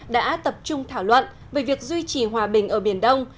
đã tập trung thảo luận về việc duy trì hòa bình ở biển đông